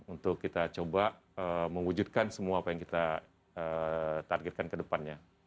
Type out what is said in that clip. untuk kita coba mengwujudkan semua apa yang kita targetkan kedepannya